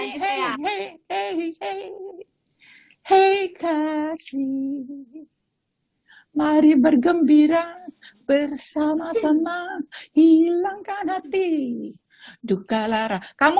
hei hei hei hei hei kasih mari bergembira bersama sama hilangkan hati duka lara kamu